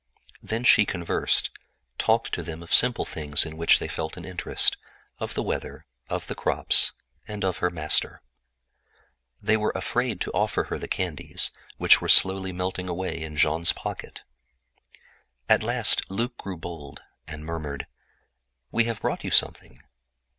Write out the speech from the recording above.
Then she conversed, talked to them of simple things in which they felt an interest—of the weather, of the crops, and of her master. They were afraid to offer her the candies, which were slowly melting away in Jean's pocket. At last Luc grew bold, and murmured: "We have brought you something."